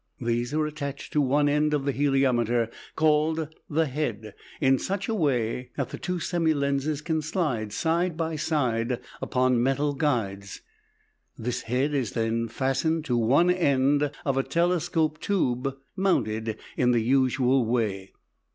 These are attached to one end of the heliometer, called the "head," in such a way that the two semi lenses can slide side by side upon metal guides. This head is then fastened to one end of a telescope tube mounted in the usual way.